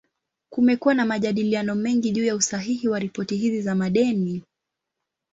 Kumekuwa na majadiliano mengi juu ya usahihi wa ripoti hizi za madeni.